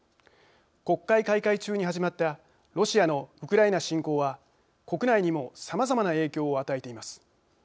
国会開会中に始まったロシアのウクライナ侵攻は国内にもさまざまな影響を与えています。